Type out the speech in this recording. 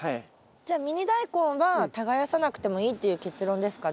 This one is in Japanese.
じゃあミニダイコンは耕さなくてもいいっていう結論ですかね？